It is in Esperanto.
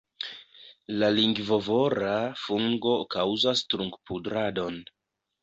La lingvovora fungo kaŭzas trunkpudradon.